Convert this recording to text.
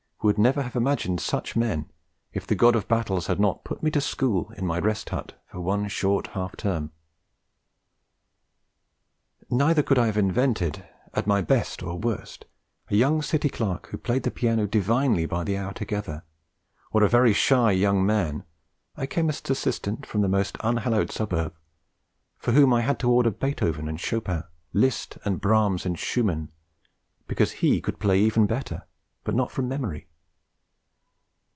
would never have imagined such men if the God of battles had not put me to school in my Rest Hut for one short half term. Neither could I have invented, at my best or worst, a young City clerk who played the piano divinely by the hour together, or a very shy young man, a chemist's assistant from the most unhallowed suburb, for whom I had to order Beethoven and Chopin, Liszt and Brahms and Schumann, because he could play even better, but not from memory.